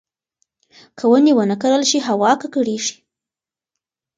که ونې ونه کرل شي، هوا ککړېږي.